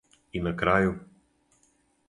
И на крају.